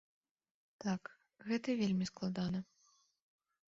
Так, гэта вельмі складана.